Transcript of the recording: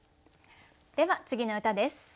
では次の歌です。